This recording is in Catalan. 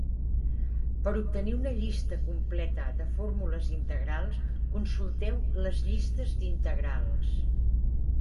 Per obtenir una llista completa de fórmules integrals, consulteu les llistes d'integrals.